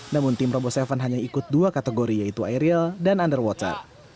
namun tim robo tujuh hanya ikut dua kategori yaitu aerial dan underwater